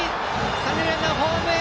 三塁ランナー、ホームへ！